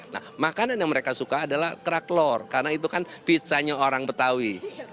nah makanan yang mereka suka adalah traklor karena itu kan pizzanya orang betawi